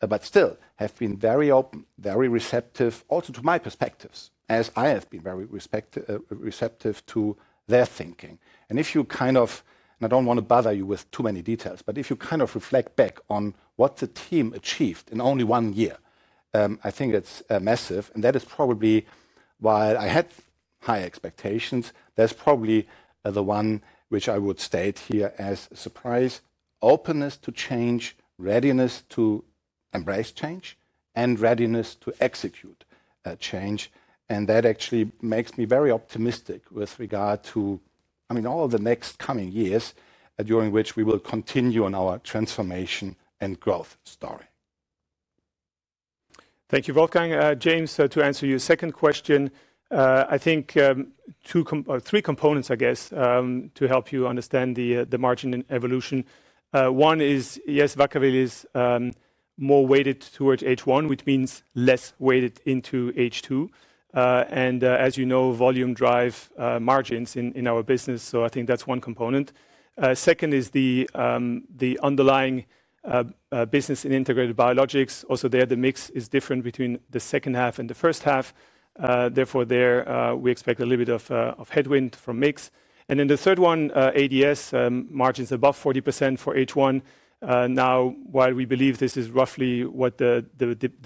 but still have been very open, very receptive also to my perspectives as I have been very receptive to their thinking. If you kind of, and I do not want to bother you with too many details, but if you kind of reflect back on what the team achieved in only one year, I think it is massive. That is probably, while I had high expectations, that is probably the one which I would state here as a surprise: openness to change, readiness to embrace change, and readiness to execute change. That actually makes me very optimistic with regard to, I mean, all the next coming years during which we will continue on our transformation and growth story. Thank you, Wolfgang. James, to answer your second question, I think three components, I guess, to help you understand the margin evolution. One is, yes, Vacaville is more weighted towards H1, which means less weighted into H2. As you know, volume drives margins in our business. I think that is one component. Second is the underlying business in Integrated Biologics. Also there, the mix is different between the second half and the first half. Therefore, there we expect a little bit of headwind from mix. Then the third one, ADS, margins above 40% for H1. Now, while we believe this is roughly what the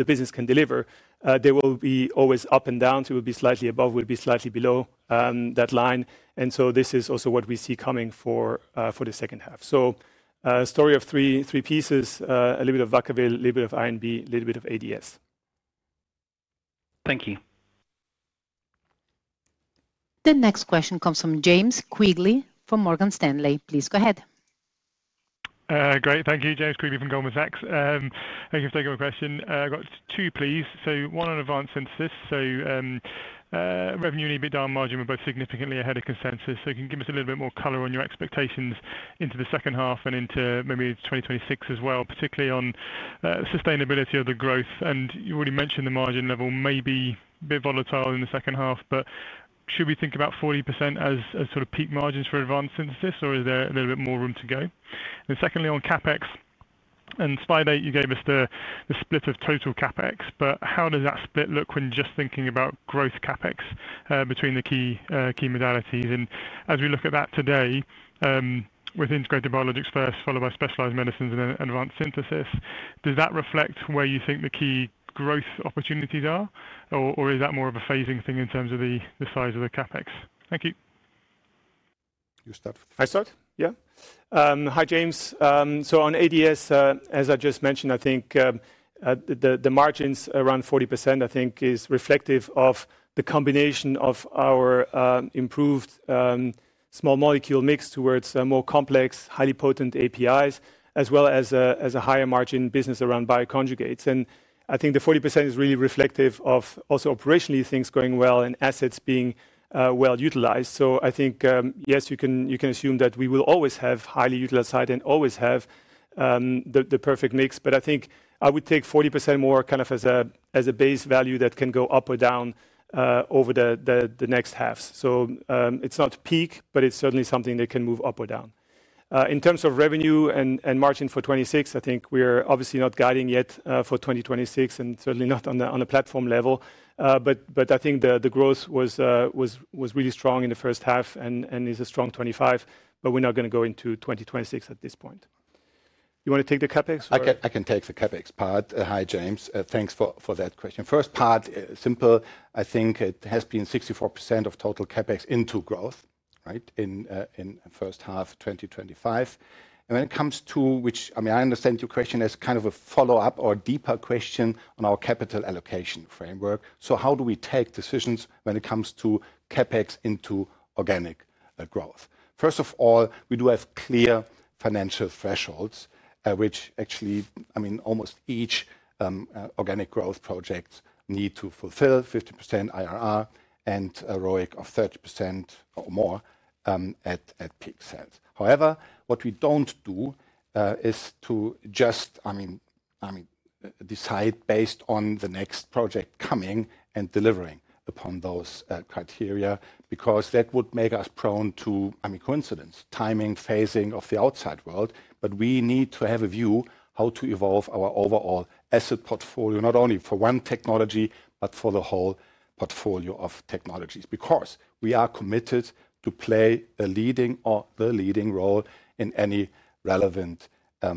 business can deliver, there will always be up and down. It will be slightly above, will be slightly below that line. This is also what we see coming for the second half. A story of three pieces, a little bit of Vacaville, a little bit of INB, a little bit of ADS. Thank you. The next question comes from James Quigley from Morgan Stanley. Please go ahead. Great. Thank you, James Quigley from Goldman Sachs. Thank you for taking my question. I have got two, please. One on Advanced Synthesis. Revenue and EBITDA margin were both significantly ahead of consensus. Can you give us a little bit more color on your expectations into the second half and into maybe 2026 as well, particularly on sustainability of the growth? You already mentioned the margin level may be a bit volatile in the second half, but should we think about 40% as sort of peak margins for Advanced Synthesis, or is there a little bit more room to go? Secondly, on CapEx. Spidey, you gave us the split of total CapEx, but how does that split look when just thinking about growth CapEx between the key modalities? As we look at that today, with Integrated Biologics first, followed by Specialized Medicines and Advanced Synthesis, does that reflect where you think the key growth opportunities are, or is that more of a phasing thing in terms of the size of the CapEx? Thank you. You start. I start? Yeah. Hi, James. On ADS, as I just mentioned, I think the margins around 40%, I think, is reflective of the combination of our improved. Small molecule mix towards more complex, highly potent APIs, as well as a higher margin business around bioconjugates. I think the 40% is really reflective of also operationally things going well and assets being well utilized. I think, yes, you can assume that we will always have highly utilized site and always have the perfect mix. I think I would take 40% more kind of as a base value that can go up or down over the next halves. It is not peak, but it is certainly something that can move up or down. In terms of revenue and margin for 2026, I think we are obviously not guiding yet for 2026 and certainly not on a platform level. I think the growth was really strong in the first half and is a strong 2025, but we are not going to go into 2026 at this point. You want to take the CapEx part? I can take the CapEx part. Hi, James. Thanks for that question. First part, simple. I think it has been 64% of total CapEx into growth, right, in the first half of 2025. When it comes to, which I mean, I understand your question as kind of a follow-up or deeper question on our capital allocation framework. How do we take decisions when it comes to CapEx into organic growth? First of all, we do have clear financial thresholds, which actually, I mean, almost each organic growth project needs to fulfill 50% IRR and a ROIC of 30% or more at peak sales. However, what we do not do is to just, I mean, decide based on the next project coming and delivering upon those criteria because that would make us prone to, I mean, coincidence, timing, phasing of the outside world. We need to have a view how to evolve our overall asset portfolio, not only for one technology, but for the whole portfolio of technologies because we are committed to play the leading role in any relevant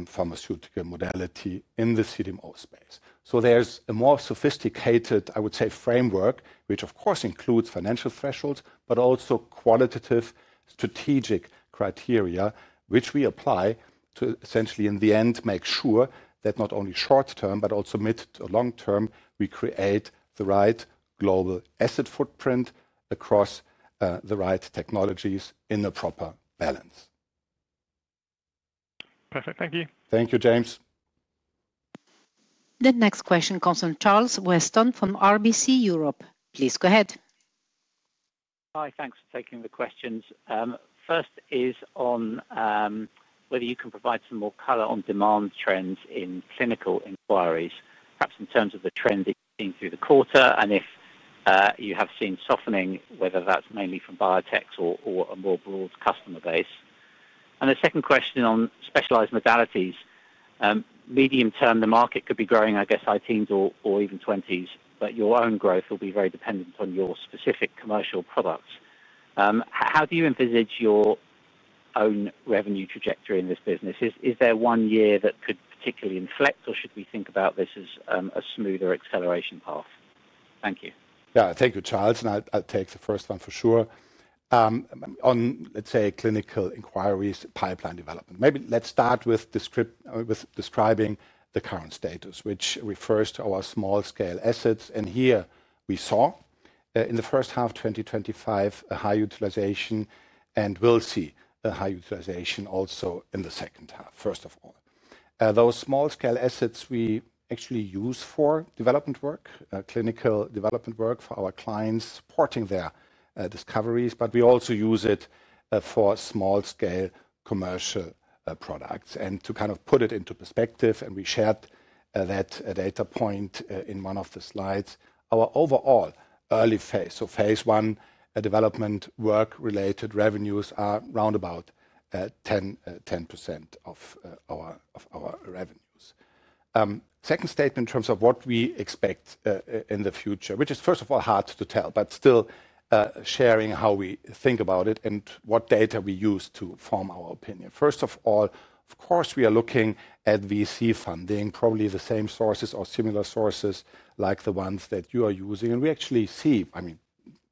pharmaceutical modality in the CDMO space. There is a more sophisticated, I would say, framework, which of course includes financial thresholds, but also qualitative strategic criteria, which we apply to essentially in the end make sure that not only short term, but also mid to long term, we create the right global asset footprint across the right technologies in a proper balance. Perfect. Thank you. Thank you, James. The next question comes from Charles Weston from RBC Europe. Please go ahead. Hi, thanks for taking the questions. First is on whether you can provide some more color on demand trends in clinical inquiries, perhaps in terms of the trend that you have seen through the quarter and if you have seen softening, whether that is mainly from biotechs or a more broad customer base. The second question on specialized modalities. Medium term, the market could be growing, I guess, in the teens or even 20s, but your own growth will be very dependent on your specific commercial products. How do you envisage your own revenue trajectory in this business? Is there one year that could particularly inflect, or should we think about this as a smoother acceleration path? Thank you. Yeah, thank you, Charles. I'll take the first one for sure. On, let's say, clinical inquiries, pipeline development. Maybe let's start with describing the current status, which refers to our small-scale assets. Here we saw in the first half of 2025 a high utilization and we'll see a high utilization also in the second half, first of all. Those small-scale assets we actually use for development work, clinical development work for our clients supporting their discoveries, but we also use it for small-scale commercial products. To kind of put it into perspective, and we shared that data point in one of the slides, our overall early phase, so phase one development work-related revenues are around about 10% of our revenues. Second statement in terms of what we expect in the future, which is first of all hard to tell, but still sharing how we think about it and what data we use to form our opinion. First of all, of course, we are looking at VC funding, probably the same sources or similar sources like the ones that you are using. We actually see, I mean,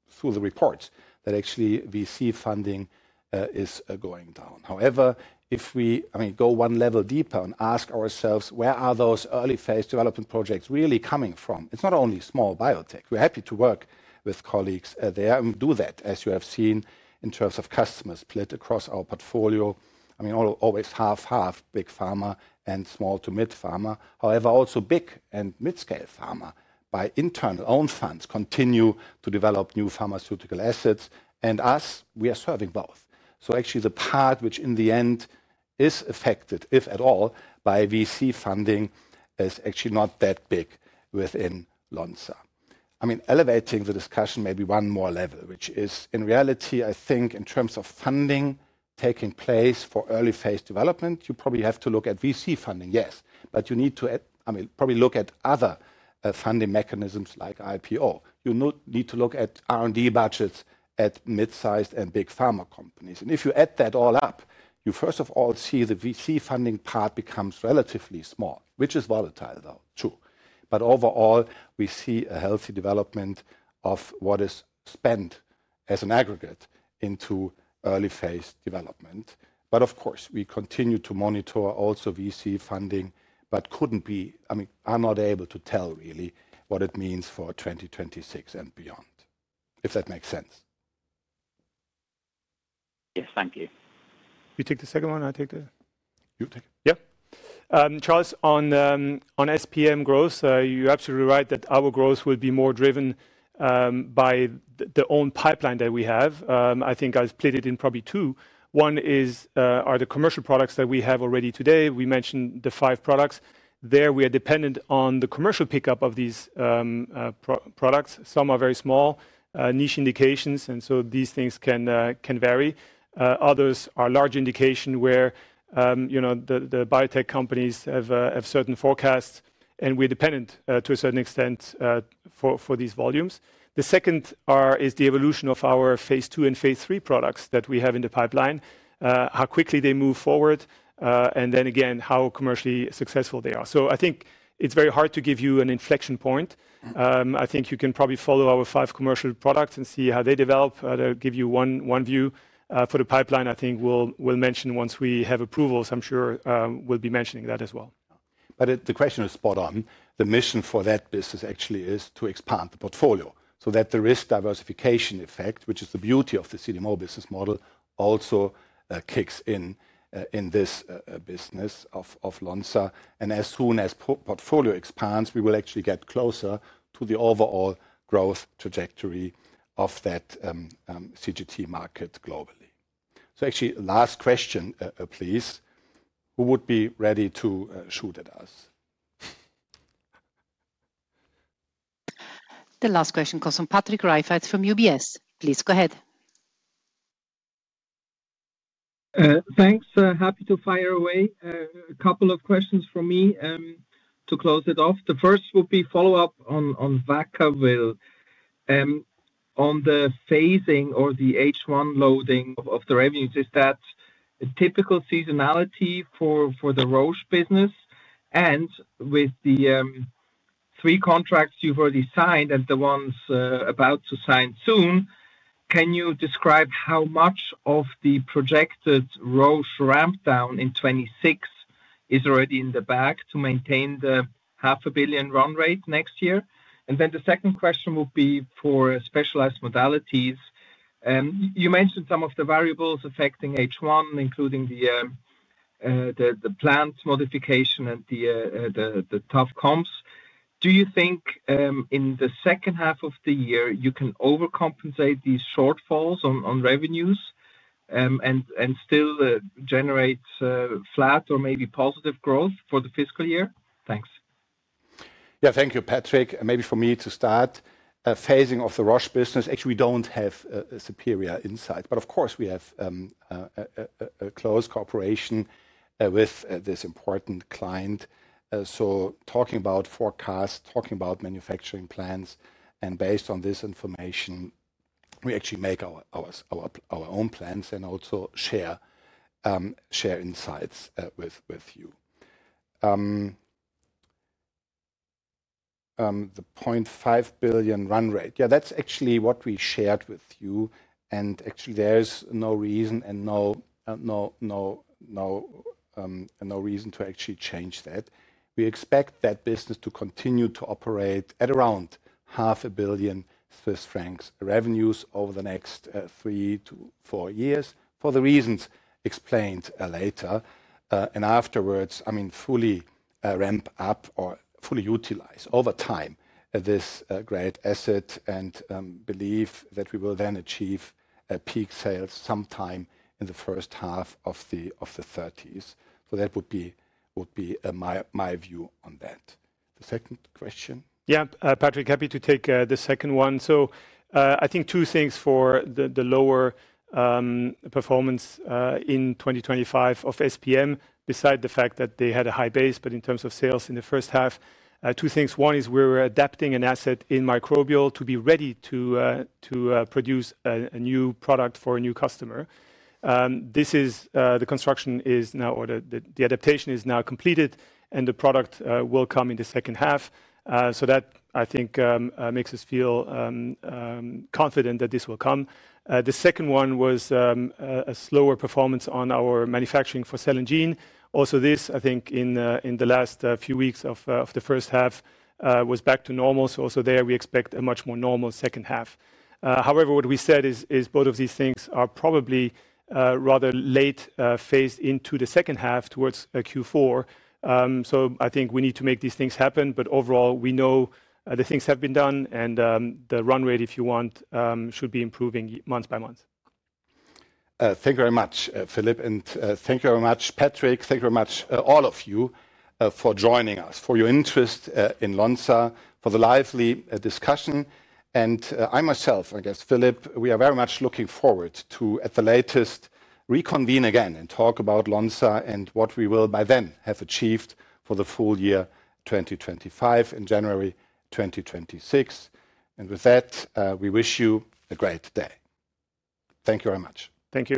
through the reports that actually VC funding is going down. However, if we, I mean, go one level deeper and ask ourselves, where are those early phase development projects really coming from? It's not only small biotech. We're happy to work with colleagues there and do that, as you have seen in terms of customer split across our portfolio. I mean, always half-half, big pharma and small to mid-pharma. However, also big and mid-scale pharma by internal owned funds continue to develop new pharmaceutical assets. Us, we are serving both. Actually the part which in the end is affected, if at all, by VC funding is actually not that big within Lonza. I mean, elevating the discussion maybe one more level, which is in reality, I think in terms of funding taking place for early phase development, you probably have to look at VC funding, yes, but you need to, I mean, probably look at other funding mechanisms like IPO. You need to look at R&D budgets at mid-sized and big pharma companies. If you add that all up, you first of all see the VC funding part becomes relatively small, which is volatile though, too. Overall, we see a healthy development of what is spent as an aggregate into early phase development. Of course, we continue to monitor also VC funding, but couldn't be, I mean, are not able to tell really what it means for 2026 and beyond, if that makes sense. Yes, thank you. You take the second one, I take the... You take it. Yeah. Charles, on SPM growth, you're absolutely right that our growth will be more driven by the own pipeline that we have. I think I've split it in probably two. One is the commercial products that we have already today. We mentioned the five products. There we are dependent on the commercial pickup of these products. Some are very small, niche indications, and these things can vary. Others are large indications where the biotech companies have certain forecasts and we're dependent to a certain extent for these volumes. The second is the evolution of our phase two and phase three products that we have in the pipeline, how quickly they move forward, and then again, how commercially successful they are. I think it's very hard to give you an inflection point. I think you can probably follow our five commercial products and see how they develop, give you one view for the pipeline. I think we'll mention once we have approvals, I'm sure we'll be mentioning that as well. The question is spot on. The mission for that business actually is to expand the portfolio so that the risk diversification effect, which is the beauty of the CDMO business model, also kicks in in this business of Lonza. As soon as the portfolio expands, we will actually get closer to the overall growth trajectory of that CGT market globally. Actually, last question, please. Who would be ready to shoot at us? The last question comes from Patrick Rafaisz from UBS. Please go ahead. Thanks. Happy to fire away. A couple of questions from me to close it off. The first would be a follow-up on Vacaville. On the phasing or the H1 loading of the revenues, is that a typical seasonality for the Roche business? With the three contracts you've already signed and the ones about to sign soon, can you describe how much of the projected Roche ramp-down in 2026 is already in the bag to maintain the $500,000,000 run rate next year? The second question would be for specialized modalities. You mentioned some of the variables affecting H1, including the plant modification and the tough comps. Do you think in the second half of the year you can overcompensate these shortfalls on revenues and still generate flat or maybe positive growth for the fiscal year? Thanks. Yeah, thank you, Patrick. Maybe for me to start. Phasing of the Roche business, actually we don't have a superior insight. Of course, we have a close cooperation with this important client. Talking about forecasts, talking about manufacturing plans, and based on this information, we actually make our own plans and also share insights with you. The $500,000,000 run rate, yeah, that's actually what we shared with you. Actually, there is no reason and no reason to actually change that. We expect that business to continue to operate at around 500,000,000 Swiss francs revenues over the next three to four years for the reasons explained later. Afterwards, I mean, fully ramp up or fully utilize over time this great asset and believe that we will then achieve peak sales sometime in the first half of the 2030s. That would be my view on that. The second question? Yeah, Patrick, happy to take the second one. I think two things for the lower performance in 2025 of SPM, beside the fact that they had a high base, but in terms of sales in the first half, two things. One is we're adapting an asset in microbial to be ready to produce a new product for a new customer. The construction is now, or the adaptation is now completed, and the product will come in the second half. That, I think, makes us feel confident that this will come. The second one was a slower performance on our manufacturing for cell and gene. Also this, I think, in the last few weeks of the first half was back to normal. Also there, we expect a much more normal second half. However, what we said is both of these things are probably rather late phased into the second half towards Q4. I think we need to make these things happen. Overall, we know the things have been done and the run rate, if you want, should be improving month by month. Thank you very much, Philipp, and thank you very much, Patrick. Thank you very much, all of you, for joining us, for your interest in Lonza, for the lively discussion. I myself, I guess, Philipp, we are very much looking forward to, at the latest, reconvene again and talk about Lonza and what we will by then have achieved for the full year 2025 in January 2026. With that, we wish you a great day. Thank you very much. Thank you.